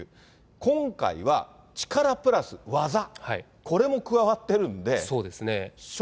今回は、力プラス技、これも加わってるんで。